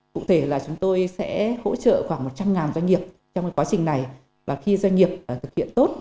cụ thể là chúng tôi sẽ hỗ trợ khoảng một trăm linh doanh nghiệp trong quá trình này và khi doanh nghiệp thực hiện tốt